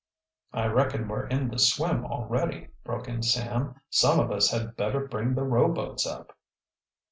"I reckon we're in the swim already," broke in Sam. "Some of us had better bring the rowboats up."